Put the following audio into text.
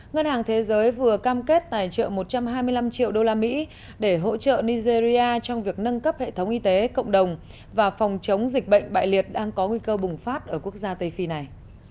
ngân hàng thế giới vừa cam kết tài trợ một trăm hai mươi năm triệu đô la mỹ để hỗ trợ nigeria trong việc nâng cấp hệ thống y tế cộng đồng và phòng chống dịch bệnh bại liệt đang có nguy cơ bùng phát ở quốc gia tây phi này